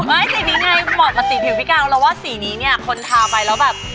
ไม่สีนี้ไงหมดมาติดผิวพี่กาวเราว่าสีนี้เนี่ยคนทาไปแล้วแบบ